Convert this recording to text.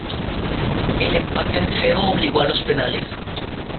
El empate en cero obligó a los penales.